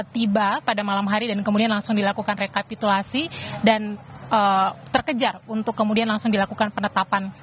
tiba pada malam hari dan kemudian langsung dilakukan rekapitulasi dan terkejar untuk kemudian langsung dilakukan penetapan